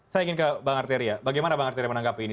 saya ingin ke bang arteria bagaimana bang arteria menanggapi ini